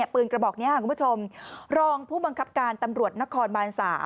กระบอกนี้คุณผู้ชมรองผู้บังคับการตำรวจนครบาน๓